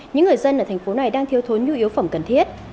những người dân ở thành phố này đang thiếu thốn nhu yếu phẩm cần thiết